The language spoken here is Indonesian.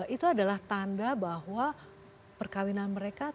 itu adalah tanda bahwa perkawinan mereka tidak boleh dia menyebabkan